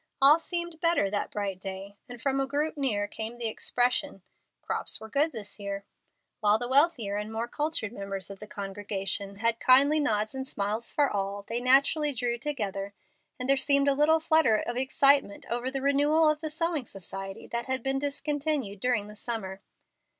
All seemed better that bright day, and from a group near came the expression, "Crops were good this year." While the wealthier and more cultured members of the congregation had kindly nods and smiles for all, they naturally drew together, and there seemed a little flutter of excitement over the renewal of the sewing society that had been discontinued during the summer.